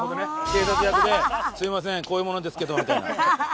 警察役で「すいませんこういう者ですけど」みたいな。